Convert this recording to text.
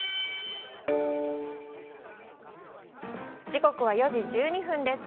時刻は４時１２分です。